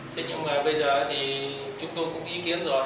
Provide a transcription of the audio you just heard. thế nhưng mà bây giờ thì chúng tôi cũng ý kiến rồi